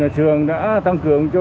nhà trường đã tăng cường cho